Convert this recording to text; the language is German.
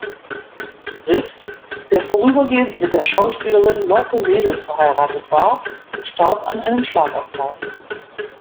Riff, der vorübergehend mit der Schauspielerin Lotte Ledl verheiratet war, starb an einem Schlaganfall.